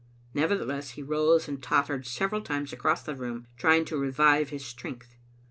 Nevertheless, he rose and tottered several times across the room, trying to revive his strength.